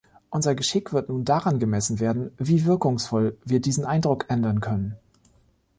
Unser Geschick wird nun daran gemessen werden, wie wirkungsvoll wir diesen Eindruck ändern können.